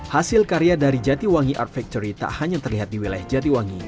hasil karya dari jatiwangi art factory tak hanya terlihat di wilayah jatiwangi